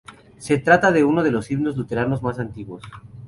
Se trata de uno de los himnos luteranos más antiguos.